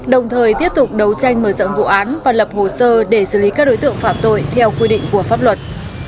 đồng thời tiếp tục đấu tranh mở rộng vụ án và lập hồ sơ để xử lý các đối tượng phạm tội theo quy định của pháp luật